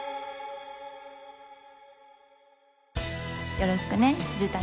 よろしくね未谷。